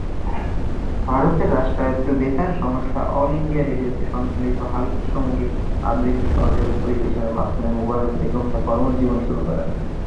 ভারতের রাষ্ট্রায়ত্ত বেতার সংস্থা অল ইন্ডিয়া রেডিওতে সঞ্চালিত হালকা সঙ্গীত আবৃত্তি সহযোগে পরিবেশনের মাধ্যমে মুবারক বেগম তার কর্মজীবন শুরু করেন।